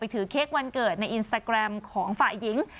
ถือเค้กวันเกิดในอินสตาแกรมของฝ่ายหญิง